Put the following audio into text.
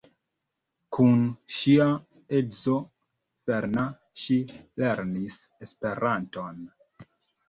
Kun ŝia edzo Fernand ŝi lernis Esperanton.